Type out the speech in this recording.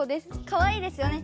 かわいいですよね。